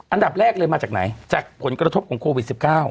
อันดับแรกเลยมาจากไหนจากผลกระทบของโควิด๑๙